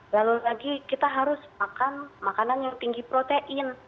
lalu lagi kita harus makan makanan yang tinggi protein